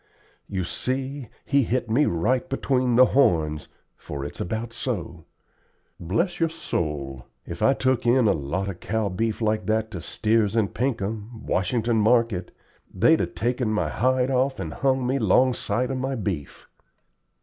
You see, he hit me right between the horns, for it's about so. Bless your soul, if I'd took in a lot of cow beef like that to Steers and Pinkham, Washington Market, they'd 'a taken my hide off and hung me up 'longside of my beef."